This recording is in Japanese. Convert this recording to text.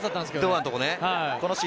堂安のところね。